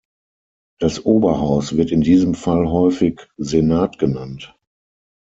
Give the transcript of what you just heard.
Das Oberhaus wird in diesem Fall häufig Senat genannt.